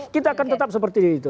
kita akan tetap seperti itu